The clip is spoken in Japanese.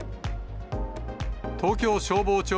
東京消防庁